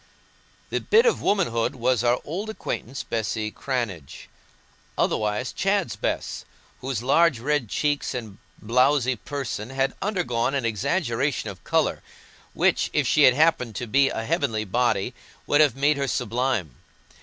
The "bit of womanhood" was our old acquaintance Bessy Cranage, otherwise Chad's Bess, whose large red cheeks and blowsy person had undergone an exaggeration of colour, which, if she had happened to be a heavenly body, would have made her sublime.